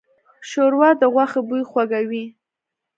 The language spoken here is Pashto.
ښوروا د غوښې بوی خوږوي.